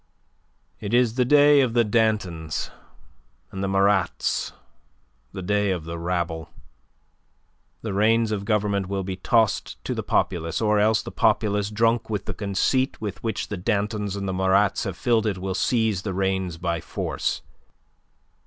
It is the day of the Dantons, and the Marats, the day of the rabble. The reins of government will be tossed to the populace, or else the populace, drunk with the conceit with which the Dantons and the Marats have filled it, will seize the reins by force.